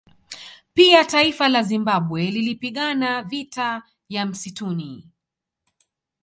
Pia taifa la Zimbabwe lilipigana vita ya Msituni